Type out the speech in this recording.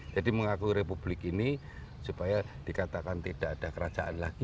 jadi mengaku republik ini supaya dikatakan tidak ada kerajaan lagi